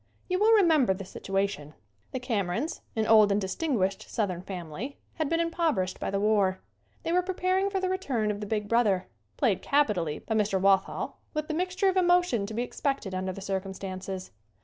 You will remember the situation. The Cam erons, an old and distinguished Southern fam ily, had been impoverished by the war. They were preparing for the return of the big brother played capitally by Mr. Walthall with the mixture of emotion to be expected under the circumstances.